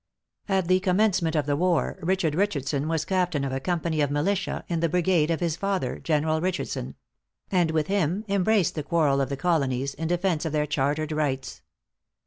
At the commencement of the war Richard Richardson was captain of a company of militia in the brigade of his father General Richardson; and with him embraced the quarrel of the Colonies, in defence of their chartered rights.